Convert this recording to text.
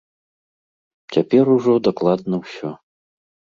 Цяпер ужо дакладна ўсё.